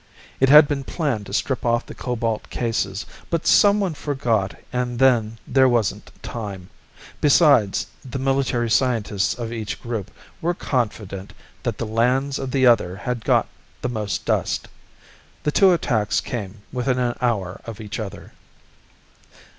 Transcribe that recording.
It had been planned to strip off the cobalt cases, but someone forgot and then there wasn't time. Besides, the military scientists of each group were confident that the lands of the other had got the most dust. The two attacks came within an hour of each other.